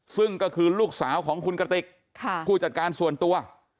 ซึ่งก็คือลูกสาวของคุณกติกผู้จัดการส่วนตัว